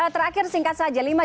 terakhir singkat saja